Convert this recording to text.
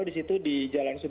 di situ di jawa bung karno